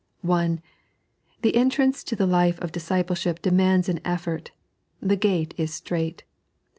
{1) The entravice to Ae life of (^acipleship demands an effhi^. " The gate is strait."